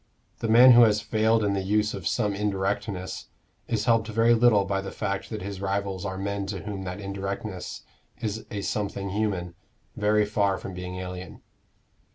The man who has failed in the use of some indirectness, is helped very little by the fact that his rivals are men to whom that indirectness is a something human, very far from being alien.